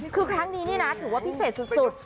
คือครั้งนี้นี่นะถือว่าพิเศษสุด